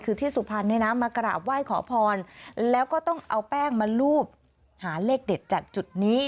คือที่สุพรรณเนี่ยนะมากราบไหว้ขอพรแล้วก็ต้องเอาแป้งมารูปหาเลขเด็ดจากจุดนี้